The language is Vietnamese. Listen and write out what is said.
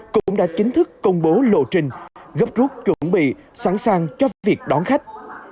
cũng đã chính thức công bố lộ trình gấp rút chuẩn bị sẵn sàng cho việc đón khách